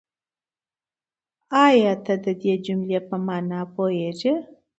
آيا ته د دې جملې په مانا پوهېږې؟